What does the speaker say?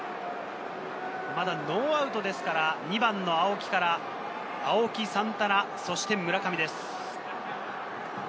まだノーアウトですから、２番の青木から、青木、サンタナ、そして村上です。